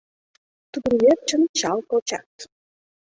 Тудын верчын чал кочат